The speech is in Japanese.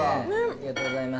ありがとうございます。